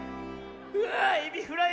⁉うわエビフライ！